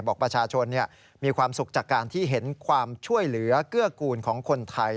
บอกประชาชนมีความสุขจากการที่เห็นความช่วยเหลือเกื้อกูลของคนไทย